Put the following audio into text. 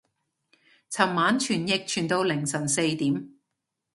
尋晚傳譯傳到凌晨四點